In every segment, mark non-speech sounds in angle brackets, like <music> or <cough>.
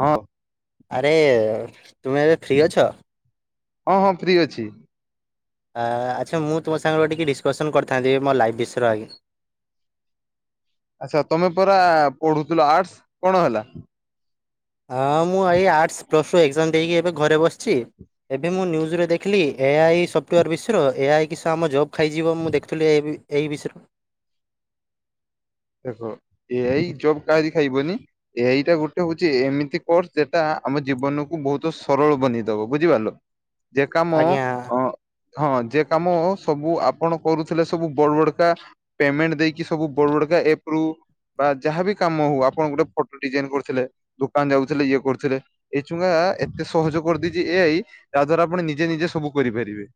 ହଁ। ଆରେ ତୁମେ ଏବେ ଫ୍ରି ଅଛ? ହଁ ହଁ ଫ୍ରି ଅଛି। ଆଚ୍ଛା ମୁଁ ତୁମ ସାଙ୍ଗରେ ଟିକେ ଡିସ୍କସନ୍ କରିଥାନ୍ତି ମୋ ଲାଇଭ୍ ବିଷୟରେ ଆଜ୍ଞା? ଆଛା ତମେ ପରା ପଢୁଥିଲ ଆର୍ଟ୍ସ କଣ ହେଲା? ହଁ ମୁଁ ଏଇ ଆଟ୍ସ ପ୍ଲସ୍ ଟୁ ଏକ୍ଜାମ ଦେଇକି ଏବେ ଘରେ ବସିଛି। ଏବେ ମୁଁ ନ୍ୟୁଜରେ ଦେଖିଲି ଏଆଇ ସଫ୍ଟୱେୟାର ମିଶ୍ର ଏଆଇ କିସ ଆମ ଜବ୍ ଖାଇଯିବ ମୁଁ ଦେଖୁଥିଲି ଏହି ବିଷୟରେ ଏ ଆଇ ଜବ କାହାରି ଖାଇବନି ଏ ଆଇଟା ଗୋଟେ ହଉଛି ଏମିତି କୋର୍ସ ଯେଟା ଆମଜି ଜୀବନକୁୁ ବହୁତ ସରଳ ବନେଇଦବ ବୁଝିପାରିଲ ଯେ କାମ ଆଜ୍ଞା ଅ ହଁ ଜେ କାମ ସବୁ ଆପଣ କରୁଥିଲେ ସବୁ ବଡ ବଡକା ପେମେଣ୍ଟ ଦେଇକି ସବୁ ବଡ ବଡକା କା ଏପୃ ବା ଯାହାବି କାମ ହଉ ଆପଣ ଗୋଟେ ଫଟୋ ଡିଜାଇନ କରୁଥିଲେ ଦୋକାନ ଯାଉଥିଲେ ଇଏ କରୁଥିଲେ ଏଇଛୁଙ୍ଗା ଏତେ ସହଜ କରିଦେଇଛି ଏଆଇ ଯାହା ଦ୍ଵାରା ଆପଣ ନିଜେ ନିଜେ ସବୁ କରିପାରିବେ।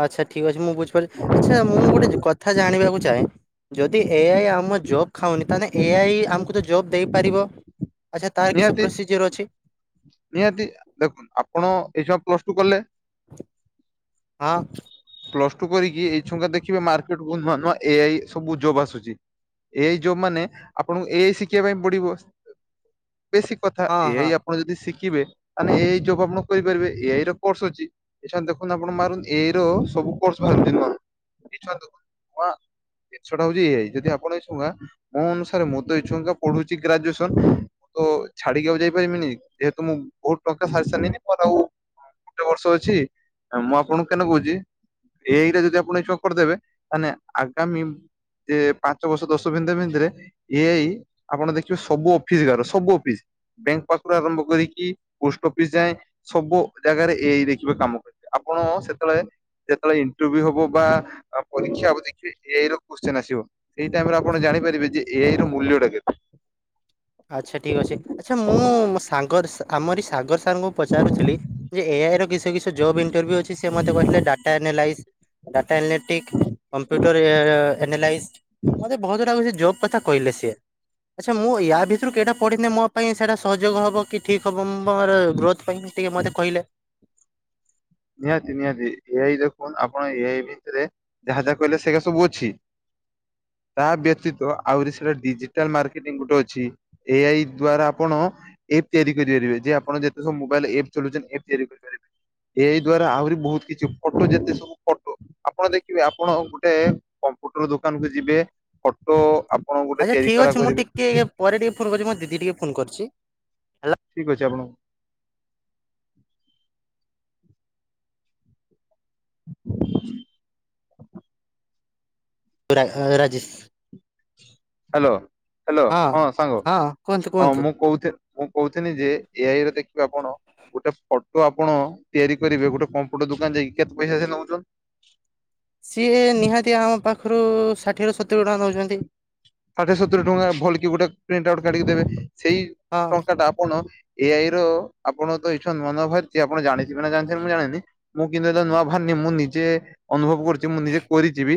ଆଚ୍ଛା ଠିକ ଅଛି ମୁଁ ବୁଝିପାରିଲି ଆଚ୍ଛା ମୁଁ ଗୋଟେ କଥା ଜାଣିବାକୁ ଏ ଜାଏଁ ଯଦି ଏ ଆଇ ଆମ ଜବ୍ ଖାଉନି ତାହେଲେ ଏ ଆଇ ଆମକୁ ତ ଜବ୍ ଦେଇପାରିବ? ଆଚ୍ଛା ତାର କିଛି ନିହାତି ପ୍ରୋସିଜିଅର ଅଛି ନିହାତି ଦେଖ ଆପଣ ଏଇସୟ ପ୍ଲସ ଟୁ କଲେ ହଁ। ପ୍ଲସ ଟୁ କରିକି ଏଇ ଠୁଙ୍କା ଦେଖିବେ ମାର୍କେଟ କୁ ନୂଆ ନୂଆ ଏଆଇ ସବୁ ଜବ ଆସୁଛି। ଏଇ ଯୋଉ ମାନେ ଆପଣଙ୍କୁ ଏଇ ଶିଖିବା ପାଇଁ ପଡିବ ବେଶୀ କଥା ହଁ ଏ ଆଇ ହଁ ଆପଣ ଯଦି ଶି କରିବେ ଏଇ ଜବ ଆପଣ କରିପାରିବେ ଏଇ କୋ ଅଛି ଏ ଦେଖନ୍ତୁ ଆପଣ ମାରୁ ଏ <inaudible> ସବୁ କୋର୍ସ ବାହାର କ <inaudible> ଜିନିଷଟା ହଉଛି ଏ ଆଇ ଯଦି ଆପଣ ଛୁଆ ମୋ ଅନୁସାରେ ପଢୁଚି ଗ୍ରାଜୁଏସନ ମୁଁ ତ ଛାଡିକି ଆଉ ଯାଇପାରିବିନି ଯେହେତୁ ମୁଁ ବହୁତ ଟଙ୍କା ସାରି ସାରିଲିଣି ଗୋଟେ ବର୍ଷ ଅଛି, ମୁଁ ଆପଣଙ୍କୁ କେନ କହୁଛି ଏଇଟାଯଦି ଆପଣ ନିଶ୍ଚୟ କରିଦେବେ ତାହେଲେ ଆଗାମୀ ଯେ ପାଞ୍ଚ ବର୍ଷ ଦଶ ବିନ୍ଦେ ବିନ୍ଧେରେ ଏ ଆଇ ଆପଣ ଦେଖିବେ ସବୁ ଅଫିସ ତାର। ସବୁ ଅଫିସ ବ୍ୟାଙ୍କ ପାଖରୁ ଆରମ୍ଭ କରିକି ପୋଷ୍ଟ ଅଫିସ ଯାଏ ସବୁ ଜାଗାରେ ଏ ଆଇ ଦେଖିବ। କାମ କରେ ଆପଣ ସେତେବେଳେ ଯେତେବେଳେ ଇଣ୍ଟରଭ୍ୟୁ ହବ ବା ଆ ପରୀକ୍ଷା ହବ ଦେଖିବେ ଏଆଇ ର କ୍ୱସଚିନ୍ ଆସିବ। ସେଇ ଟାଇମ ରେ ଆପଣ ଜାଣିପାରିବେ ଯେ ଏ ଆଇ ର ମୂଲ୍ୟ ଟା କେତେ? ଆଚ୍ଛା ଠିକ୍ ଅଛି ଆଚ୍ଛା ମୁଁ ସାଗର ଆମରି ସାଗର ଙ୍କୁ ପଚାରୁଥିଲି ଯେ ଏଆଇ ର କିଛି କିଛି ଜବ୍ ଇଣ୍ଟରଭ୍ୟୁ ଅଛି ସେ ମତେ କହିଥିଲେ data analyse data analytic computer ଏ ଏନାଲାଇସ୍ଡ ମତେ ବହୁତ ଗୁଡ଼ା କିଛି ଜବ କଥା କହିଲେ ସିଏ। ଆଚ୍ଛା ମୁଁ ୟା ଭିତରେ ଥିରୁ ଏଇଟା ପଢିିନେ ମୋ ପାଇଁ ସେଟା ସହୋଯୋଗ ହବ କି ଠିକ ହବ ମୁଁ ମୋର ଗ୍ରୋଥ ପାଇଁ ଟିକେ ମତେ କହିଲେ ନିହାତି, ନିହାତି। ଏ ଆଇ ଦେଖନ୍ ଆପଣ ଏଆଇ ଭିତରେ ଯାହା ଯାହା କହିଲେ ସେଇଗା ସବୁ ଅଛି। ତା ବ୍ୟତୀତ ଆହୁରି ସେଟା ଡିଜିଟାଲ ମାର୍କେଟିଙ୍ଗ ଗୋଟେ ଅଛି ଏ ଆଇ ଦ୍ଵାରା ଆପଣ ଏପ୍ ତିଆରି କରିପାରିବେ, ଯେ ଆପଣ ଯେତେ ସବୁ ମୋବାଇ ରେ ଏପ ଚଲାଉଛନ ଏପ ତିଆରି କରିପାରିବେ। ଏଇ ଦ୍ଵାରା ଆହୁରି ବହୁତ କିଛି ଫଟୋ ଯେତେ ସବୁ ଫଟୋ ଆପଣ ଦେଖିବେ ଆପଣ ଗୋଟେ କମ୍ପ୍ୟୁଟର ଦୋକାନ କୁ ଯିବେ ଫଟୋ ଆପ ଆଚ୍ଛା ଠିକ ଅଛି, ମୁଁ ଟିକେ ପରେ ଟିକେ ଫୋନ କରୁଛି ମୋ ଦିଦି ଟିକେ ଫୋନ କରୁଛି। ଠିକ ଅଛି ଆପଣଙ୍କୁ <unintelligible> ହାଲୋ, ହାଲୋ, ହଁ ସାଙ୍ଗ, ହଁ କୁହନ୍ତୁ ହଁ କୁହନ୍ତୁ ମୁଁ କହୁ ମୁଁ କହୁଥିଲି ଯେ ଏଆଇରେ ଦେଖ ଆପଣ ଗୋଟେ ଫୋଟୋ ଆପଣ ତିଆରି କରିବେ ଗୋଟେ କମ୍ପ୍ୟୁଟର ଦୋକାନ ଯାଇକି କେତେ ପଇସା ସେ ନଉଛନ୍? ସିଏ ନିହାତି ଆମ ପାଖରୁ ଷାଠିଏରୁ ସତୁରି ଟଙ୍କା ନଉଛନ୍ତି। ଷାଠିଏ ସତୁରୀ ଟଙ୍କା ଭଲ କି ଗୋଟେ ପ୍ରିଣ୍ଟ ଆଉଟ କାଢିକି ଦେବେ ସେଇ ହଁ ଟଙ୍କା ଟା ଆପଣ। ଏଆଇ ର ଆପଣ ତ ଏଇଛନ ନୂଆ ବାହାରଛି ଆପଣ ଜାଣିଥିବେ ନା ଜାଣିନି ମୁଁ ଜାଣିନି, ମୁଁ କିନ୍ତୁ ତ ଏ ନୂଆ ବାହାରିନି। ମୁଁ ନିଜେ ଅନୁଭବ କରୁଛି, ମୁଁ ନିଜେ କରିଛିି ବି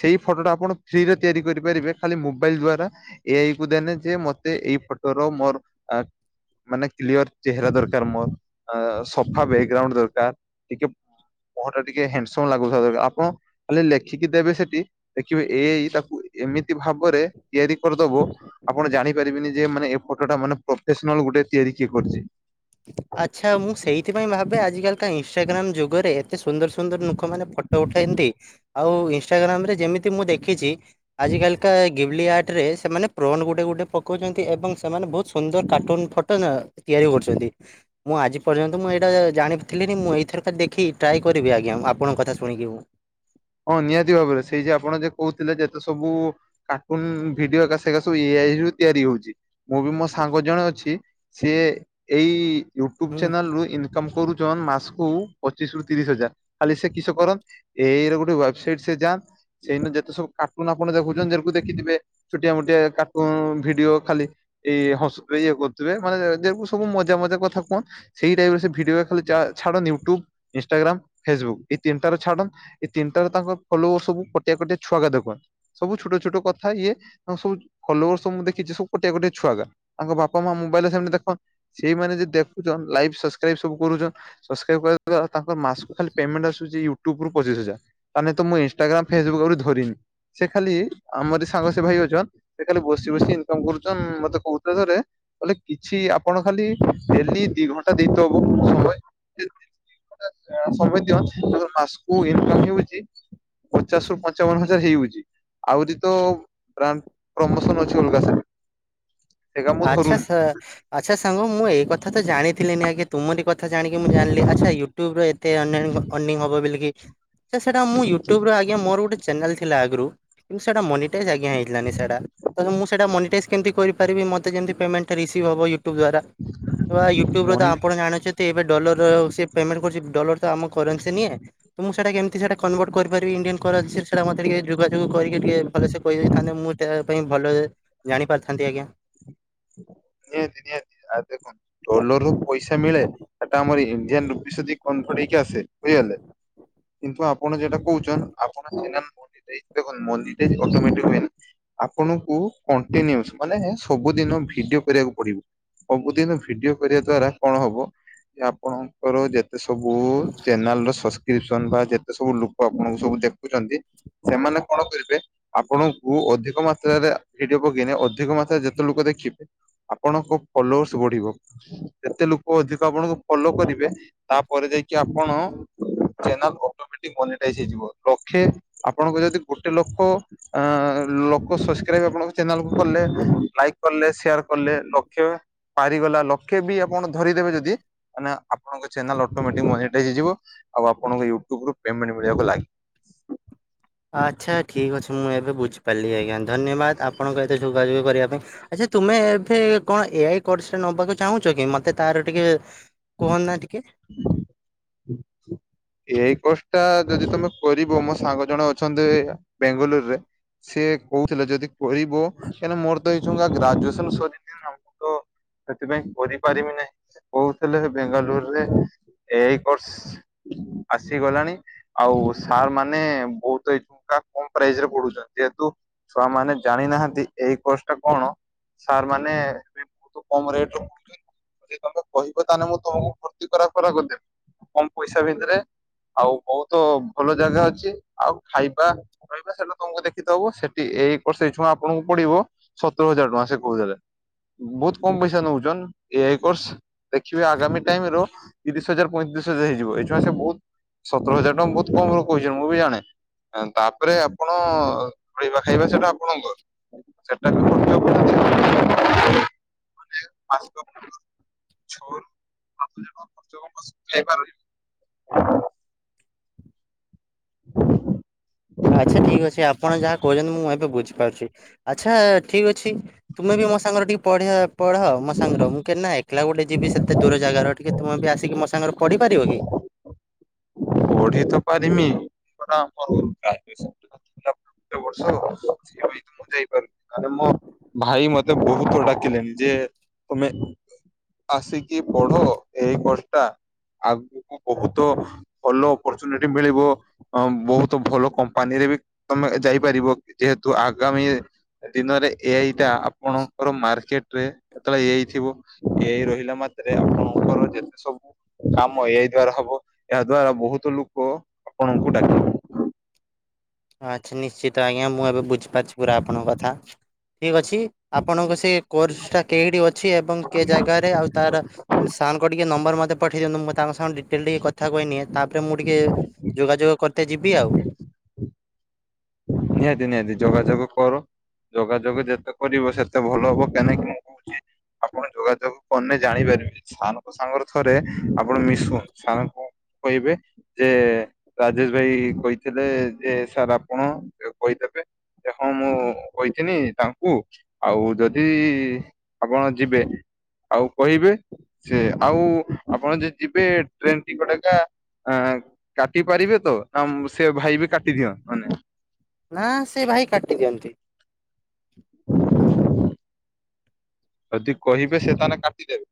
ସେଇ ଫଟୋଟା ଆପଣ ଫ୍ରିରେ ତିଆରି କରିପାରିବେ। ଖାଲି ମୋବାଇଲ ଦ୍ଵାରା ଏଆଇ କୁ ଦେଲେ ଯେ ମତେ ଏଇ ଫଟୋର ମୋର ଆର ମାନେ କ୍ଲିୟର ଚେହେରା ଦରକାର ମୋର, ସଫା ବ୍ୟାକଗ୍ରାଉଣ୍ଡ ଦରକାର ଟିକେ ମୁହ ଟା ଟିକେ ହାଣ୍ଡସମ ଲାଗୁଥିବ, ଆପଣ ଖାଲି ଲେଖିକି ଦେବେ ସେଠି ଦେଖିବେ ଏଇ ତାକୁ ଏମି ଏମିତି ଭାବରେ ତିଆରି କରିଦବ ଆପଣ ଜାଣି ପାରିବେନି ଯେ ମାନେ ଏ ଫଟୋଟା ମାନେ ପ୍ରଫେସନାଲ ଗୋଟେ ତିଆରି କିଛି କରିଛି ଆଚ୍ଛା ମୁଁ ସେଇଥିପାଇଁ ଭାବେ ଆଜିିକାଲି କା ଇନଷ୍ଟାଗ୍ରାମ ଯୁଗରେ କେତେ ସୁନ୍ଦର ସୁନ୍ଦର ନୁକ ମାନେ ଫୋଟୋ ଉଠାନ୍ତି ଆଉ ଇନସଷ୍ଟାଗ୍ରାମ ରେ ଯେମିତି ମୁଁ ଦେଖିଛି। ଆଜି କାଳିକା ୟେ ଗେମଳିଆଟ ସେଠାରେ ସେମାନେ ପ୍ରୋଣ୍ ଗୋଟେ ଗୋଟେ ପକଉଛନ୍ତି ଏବଂ ସେମାନେ ବହୁତ ସୁନ୍ଦର କାର୍ଟୁନ ଫଟୋ ନା ତିଆରି କରୁଛନ୍ତି। ହଁ ମୁଁ ଆଜି ପର୍ଯ୍ୟନ୍ତ ମୁଁ ଏଇଟା ଜାଣିଥିଲିିନି ମୁଁ ଏଇଥର ତ ଦେଖି ଟ୍ରାଏ କରିବି ଆଜ୍ଞା ଆପଣଙ୍କ କଥା ଶୁଣିକି ମୁ। ହଁ ନିହାତି ଭାବରେ ସେଇ ଯେ ଆପଣ ଯେ କହୁଥିଲେ ଯେତେ ସବୁ କାର୍ଟୁନ ଭିଡିଓ ଏକା ସେକା ସବୁ ଇଏ ଏଇ ତିଆରି ହଉଛି, ମୁଁ ବି ମୋ ସାଙ୍ଗ ଜଣେ ଅଛି ସିଏ ଏଇ ୟୁଟ୍ୟୁବ ହୁଁ ହୁଁ। ଚ୍ୟାନେଲରୁ ଇନକମ୍ କରୁ ଯଉଁ ମାସକୁ ପଚିଶ ରୁ ତିରିଶ ହଜାର ଖାଲି ସେ କିସ କରନ୍ ଏଇ ଗୋଟେ ସେଇଠୁ ୱେବସାଇଟ ସେ ଯାନ ସେଇନା ଯେତେ ସବୁ କାର୍ଟୁନ ଆପୁନ ଆପଣ ଦେଖୁଛନ୍ତି ଦେଖିଥିବେ ଛୋଟିଆ ମୋଟିଆ କାର୍ଟୁନ ଭିଡିଓ ଖାଲି। ଏଇ ହସୁଥିବେ ଇଏ କରୁଥିବେ ମାନେ ସବୁ ମଜା ମଜା କଥା କୁହନ ସେଇ ଟାଇପ୍ ର ସେ ଭିଡିଓ ଖଲି ଯାହା ଛାଡ଼ ୟୁଟ୍ୟୁବ ଇନଷ୍ଟାଗ୍ରାମ ଫେସବୁକ ଏଇ ତିନିଟା ରେ ଛାଡ ଏ ତିନିଟା ରୁ ତାଙ୍କ ଫ୍ଲୋର ସବୁ କଟେଇ କଟେଇ ଛୁଆଗ ଦେକ <unintelligible> ସବୁ ଛୋଟ ଛୋଟ କଥା ଇଏ ତାଙ୍କ ସବୁ <inaudible> ଲୋର ସବ ମୁ ଦେଖିଛି ସବୁ ଗୋଟିଏ ଗୋଟିଏ ଛୁଆଗା, ତାଙ୍କ ବାପା ମା ମୋବାଇଲ ରେ ସେମିତି ଦେଖନ ସେଇମାନେ ଯେ ଦେଖୁଛନ ଲାଇଭ୍ ସଶକ୍ରାଇବ୍ ସବୁ କରୁଛ, ସଶକ୍ରାଇବ୍ କଲେନା ତାଙ୍କ ମାସ ଖାଲି ପେମେଣ୍ଟ ଆସୁଛି ୟୁଟ୍ୟୁବ୍ ରୁ ପଚିଶ ହଜାର। ତାହେଲେ ତ ମୁଁ ଇନଷ୍ଟାଗ୍ରାମ ଫେସବୁକରୁ ଧରିନି ସେ ଖାଲି ଆମର ସାଙ୍ଗସେ ଭାଇ ଅଛନ ସେ ଖାଲି ବୋ ବସି ବସି ଇନକମ୍ କରୁଛନ୍ ମତେ କୋଉଥିଲେ ଥରେ କଇଲେ କିଛି ଆପଣ ଖାଲି ଡେଲି ଦି ଘଣ୍ଟା ଦିନକୁ ହବେ ସମ ସମୟ ଦିଅନ୍ ତମର ମାସକୁ ଇନକମ୍ ହୋଉଚି ଚି ପଚାଶ ରୁ ପଞ୍ଚାବନ ହଜାର ହେଇଯାଉଛି। ଆହୁରି ତ ବାଣ୍ଡ୍ ପ୍ରମୋସନ ଅଛି ଅଲଗାସା। ଆଚ୍ଛା ସା ଆଚ୍ଛା ସାଙ୍ଗ ମୁଁ ଏଇ କଥା ତ ଜାଣିଥିଲିିନି ଆଜ୍ଞା ତୁମରି କ ଥା ଜାଣି ମୁଁ ଜାଣିଲି ଆଚ୍ଛା ୟୁଟ୍ୟୁବରେ ଏତେ ଅନାଣି ଅନିଙ୍ଗ ହେବବୋଲି ଜଷ୍ଟ ସେଟା ମୁଁ ୟୁଟ୍ୟୁବର ଆଜ୍ଞା ମୋର ଗୋଟେ ଚ୍ୟାନେଲ ଥିଲା ଆଗୁରୁ କିନ୍ତୁ ସେଟା ମନି ଟେଜ୍ ଆଜ୍ଞା ହେଇଥିଲା ନିସାଟା ତ ମୁଁ ସେଟା ମନି ଷ୍ଟାଇଜ୍ କେମିତି କରିପାରିବି ମତେ କେମିତି ପେମେଣ୍ଟ ଟା ରିସିଭ୍ ହବ ଇ ୟୁଟୁବ ଦ୍ୱାରା। ୟୁଟ୍ୟୁବୁର ତ ମନି ଆପଣ ଜାଣିଛନ୍ତି ଏବେ ଡଲରର ସେ ପେମେଣ୍ଟ କରୁଚି ଡଲର ତ ଆମ କରେନ୍ସି ନିଏ। ତ ମୁଁ ସେଟା କେମିତି ସେଟା କନଭର୍ଟ କରି କରିବି ଇଣ୍ଡିଆନ କରେଯିସ୍ ସେଟା ମତେ ଟିକେ ଯୋଗାଯୋଗ କରିକି ଟିକେ ଭଲସେ କହିଦେଇଥାନ୍ତେ ମୁଁ ଇଟା ପାଇଁ ଭଲ ଜାଣି ପାରିଥାନ୍ତି ଆଜ୍ଞା। ନିହାତି ନିହାତି ଆ ଦେଖନ୍ତୁ ଡଲରରୁ ପଇସା ମିଳେ। ସେଟା ଆମର ଇଣ୍ଡିଆ ରୁପିସ ଯଦି କନଭଟ ହେଇକି ଆସେ ବୁଝିଗଲେ କିନ୍ତୁ ଆପଣ ଯେଉଟା କହୁଚନ୍ ଆପଣ <unintelligible> ଅଟୋମେଟେକି ହୁଏନି। ଆପଣଙ୍କୁ କଣ୍ଟିନିୟସ୍ ମାନେ ସବୁ ଦିନ ଭିଡିଓ କରିବାକୁ ପଡିବ। ସବୁଦିନ ଭିଡିଓ କରିବା ଦ୍ଵାରା କଣ ହବ ଯେ ଆପଣଙ୍କର ଯେ ସେସବୁ ଚ୍ୟାନେଲର ସସ କ୍ରିପସନ ବା ଯେତେ ସବୁ ଲୋକ ଆପଣଙ୍କୁ ସବୁ ଦେଖୁଛନ୍ତି ସେମାନେ କଣ କରିବେ ଆପଣଙ୍କୁ ଅଧିକ ମାତ୍ରାରେ ଭିଡିଓ ପକେଇଲେ ଅଧିକ ମାତ୍ରାରେ ଯେତେ ଲୋକ ଦେଖିବେ ଆ ଆପଣଙ୍କ ଫଲୋର୍ସ ବଢିବ ଯେତେ ଲୋକ ଅଧିକ ଆପଣଙ୍କୁ ଫଲୋ କରିବେ ତାପରେ ଯାଇକି ଆପଣ ଚେନାଲ <unintelligible> <unintelligible> ମନି ଟାଇଜ ହେଇଯିବ ଲକ୍ଷେ ଆପଣଙ୍କ ଯଦି ଗୋଟେ ଲୋକ ଆଁ ଲୋକ ସସ ଶସକ୍ରାଇବ ଆପଣଙ୍କ ଚ୍ୟାନେଲକୁ କଲେ ଲାଇକ୍ କଲେ ସେୟାର କଲେ ଲକ୍ଷ ପାରିଗଲା ଲକ୍ଷ ବି ଆପଣ ଧରିଦେବେ ଯଦି ମେ ଆପଣଙ୍କ ଚ୍ୟାନେଲ ଅଟମେଟିକି ମନିଟାଇଯ ହେଇଯିବ ଆଉ ଆପଣଙ୍କ ଇୟୁଟୁବ୍ ରୁ ପେମେଣ୍ଟେ ମିଳିବାକୁ ଲାଗି ଆଚ୍ଛା ଠିକ୍ ଅଛି ମୁଁ ଏବେ ବୁଝିପାରିଲି ଆଜ୍ଞା ଧନ୍ୟବାଦ ଆପଣଙ୍କ ଏତେ ଯୋଗାଯୋଗ କରିବା ପାଇଁ ଆଛା ତୁମେ ଏବେ କଣ ଏ ଆଇ କୋର୍ସରେ ନେବାକୁ ଚାହୁଁଛ କି ମତେ ତାର ଟିକେ କୁହନା ଟିକେ। <inaudible> ଏ ଆଇ କୋର୍ସଟା ଯଦି ତମେ କରିବ ମୋ ସାଙ୍ଗ ଜଣ ଅଛନ୍ତି ବେଙ୍ଗାଲୋରରେ। ସେିଏ କହୁଥିଲେ ଯଦି କରିବ କାହିଁକିନା ମୋର ତ ଏଇଛୁଙ୍କା ଗ୍ରାଜୁଏସନ ସରିନି। ତ ସେଥିପାଇଁ କରିପାରିବି ନାହିଁ କହୁଥିଲେ ବେଙ୍ଗାଲୁରୁରେ ଏ ଆଇ <unintelligible> ଆସିଗଲାଣି। ଆଉ ସାର୍ ମାନେ ବହୁତ ଏକ୍ସଟ୍ରା କମ ପ୍ରାଇସରେ ପଢୁଛନ୍ତି ଯେହତୁ ଛୁଆ ମାନେ ଜାଣିନାହାନ୍ତି ଏଇ କୋସଟା କଣ ସାର୍ ମାନେ କମ ରେଟ ପକେଇଚନ୍ତି ଯଦି ତମେ କହିବ ତାହେଲେ ମୁଁ ତମକୁ ଭର୍ତ୍ତି କରା କରା କରି ଦେବି। କମ ପଇସା ଭିତରେ। ଆଉ ବହୁତ ଭଲ ଜାଗା ଅଛି ଆଉ ଖାଇବା ରହିବା ସେଇଟା ତମକୁ ଦେଖିତବ ସେଠି ଏଇ କୋର୍ସ ଏଇ ଛୁଆ ଆପଣଙ୍କୁ ପଡ଼ିବ ସତୁରି ହଜାର ଟଙ୍କା ସେ କହୁଥିଲେ। ବହୁତ କମ ପଇସା ନଉଛନ୍ ଏ ଆଇ କର୍ସ ଦେଖିବେ ଆଗାମୀ ଟାଇମର ତିରିଶି ହଜାର ପଇଁତିରିଶି ହଜାର ହେଇଯିବ ଏଠ ସେ ବହୁତ ସତର ହଜାର ଟଙ୍କା ବହୁତ କମ ର କହିଛନ୍ତି ମୁଁ ବି ଜଣେ। ତାପରେ ଆପଣ ରହିବା ଖାଇବା ସେଟା ଆପଣଙ୍କର। <inaudible> <inaudible> <inaudible> ଆଛା ଠିକ୍ ଅଛି ଆପଣ ଯାହା କହୁଛନ୍ତି ମୁଁ ଏବେ ବୁଝିପାରୁଛି। ଆଛା ଠିକ୍ ଅଛି ତୁମେ ବି ମୋ ସାଙ୍ଗରେ ଟିକେ ପଢିଆ ପଢ ମୋ ସାଙ୍ଗର ମୁଁ କେନା ଏ ଏକେଲା ଗୋଟେ ଯିବି ସେତେ ଦୂର ଜାଗାର ଟିକେ ତୁମେ ବି ଆସିକି ମୋ ସାଙ୍ଗର ପଢିପାରିବ କି? ପଢି ତ ପାରିମି ଏଗୁଡା ଆମର ଟାର୍ଗେଟ ସ୍ପିଟ୍ କଥା ହେଲା। ଯୋଉ ବର୍ଷ ସିଏ ଯାଉଛି ମୁଁ ଯାଇପାରୁନି। ମାନେ ମୋ ଭାଇ ମତେ ବହୁତ ଡାକିଲେଣି ଯେ ତୁମେ ଆସିକି ପଢ ଏଇ ବର୍ଷଟା ଆଗୁକୁ ବହୁତ ଭଲ ଅପରଚୁନିଟି ମିଳିବ ଅ ବହୁତ ଭଲ କମ୍ପାନୀରେ ବି ତମେ ଯାଇପାରିବ ଯେହେ ତୁ ଆଗାମୀ ଏ ଦିନରେ ଏଇଟା ଆପଣଙ୍କର ମାର୍କେଟରେ ସେତେବେଳେ ଏଇ ଥିବ ଏଇ ରହିଲା ମା ର୍କେଟରେ ଆପଣଙ୍କର ଯେତେ ସବୁ କାମ ଏଇ ଦ୍ଵାରା ହବ। ଏହା ଦ୍ଵାରା ବହୁତ ଲୋକ ଆପଣଙ୍କୁ ଡାକିବେ। ଆଛା ନିଶ୍ଚିତ ଆଜ୍ଞା ମୁଁ ଏବେ ବୁଝିପାରୁଛି ପୁରା ଆପଣଙ୍କ କଥା ଠିକ୍ ଅଛି। ଛି ଆପଣଙ୍କ ସେ କୋର୍ସଟା କେଇଠି ଅଛି ଏବଂ କେ ଜାଗାରେ ଆଉ ତାର ସାର୍ ଙ୍କ ଟିକେ ନମ୍ବର ମ ତେ ପଠେଇ ଦିଅନ୍ତୁ ମୁଁ ତାଙ୍କ ସାଙ୍ଗରେ ଡିଟେଲ ଟିକେ କଥା କହିନିଏ ତାପରେ ମୁଁ ଟିକେ ଯୋଗ ଯୋଗ କର ତେ ଯିବି ଆଉ। ନିହାତି ନିହାତି ଯୋଗାଯୋଗ କର। ଯୋଗାଯୋଗ ଯେତେ କରିବ ସେତେ ଭଲ ହବ କାଇନା ତୁମକୁ ହଉଛି ଆପଣ ଯୋଗାଯୋଗ କଲେ ଜାଣିପାରିବେ ସାର୍ ଙ୍କ ସାଙ୍ଗରେ ଥରେ ଆପଣ ମିଶନ୍ତୁ ସାର୍ ଙ୍କୁ କହିବେ ଯେ ରାଜେଶ୍ ଭାଇ କହିଥିଲେ ଯେ ସାର୍ ଆପଣ ତାକୁ କହିଦେବେ ଏବଂ ମୁଁ କହିିଥିଲି ତାଙ୍କୁ ଆଉ ଯଦି ଆପଣ ଯିବେ ଆଉ କହିବେ ସେ ଆଉ ଆପଣ ଯେଦି ଯିବେ ଟ୍ରେନ୍ ଟିକଟ ହେକା ଆଁ କାଟି ପାରିବେ ତ ଆମ ସେ ଭାଇ ବି କାଟିଦିଅ ମାନେ ନାଁ ସେ ଭାଇ କାଟି ଦିଅନ୍ତି। ଯଦି କହିବେ ସେ ତାହେଲେ କାଟିଦେବେ।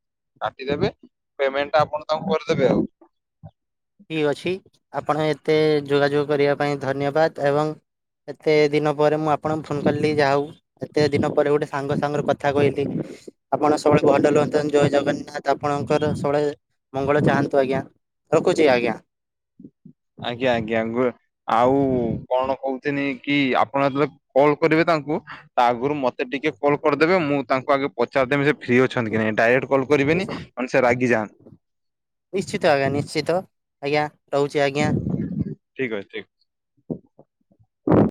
କାଟିଦେବେ ପେମେଣ୍ଟଟା ଆପଣ ତାଙ୍କୁ କରିଦେବେ ଆଉ। ଠିକ୍ ଅଛି ଆପଣ ଏତେ ଯୋଗାଯୋଗ କରିବା ପାଇଁ ଧନ୍ୟବାଦ ଏବଂ ଏତେ ଦିନ ପରେ ମୁଁ ଆପଣଙ୍କୁ ଫୋନ୍ କଲି ଯାହା ହଉ ଏତେ ଦିନ ପରେ ଗୋଟେ ସାଙ୍ଗ ସାଙ୍ଗରେ କଥା କହିଲି ଆପଣ ସବୁବେଳେ ଭଲରେ ରୁହନ୍ତୁ ଜୟ ଜଗନ୍ନାଥ ଆପଣଙ୍କର ସବୁବେଳେ ମଙ୍ଗଳ ଚାହାଁନ୍ତୁ ଆଜ୍ଞା ରଖୁଛି ଆଜ୍ଞା। ଆଜ୍ଞା ଆଜ୍ଞା ଆଗୁଆ ଆଉ କଣ କହୁଥିଲି କି ଆପଣ ଯେତେବେଳେ କଲ୍ କରିବେ ତା ତାଙ୍କୁ ତା ଆଗୁରୁ ମ ମତେ ଟିକେ କଲ୍ କରିଦେବେ ମୁଁ ତାଙ୍କୁ ଆଗେ ପଚାରିଦେବି ସେ ଫ୍ରି ଅଛନ୍ତି କି ନାଇଁ ଡାଇରେକ୍ଟ୍ କଲ୍ କରିବେନି କାଇନା ସେ ରାଗି ଯାନ୍ ହ <inaudible> ନିଶ୍ଚିତ ଆଜ୍ଞା ନିଶ୍ଚିତ ଆଜ୍ଞା ରହୁଛି ଆଜ୍ଞା। ଠିକ୍ ଅଛି ଠିକ୍ ଅଛି।